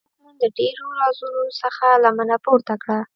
احمد نن د ډېرو رازونو څخه لمنه پورته کړه.